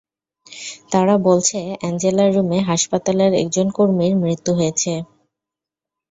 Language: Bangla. তারা বলছে, অ্যাঞ্জেলার রুমে হাসপাতালের একজন কর্মীর মৃত্যু হয়েছে।